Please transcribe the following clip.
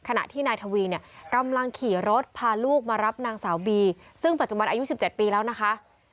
ขณะที่นายทวีเนี่ยกำลังขี่รถพาลูกมารับนางสาวบีซึ่งปัจจุบันอายุ๑๗ปีแล้วนะคะ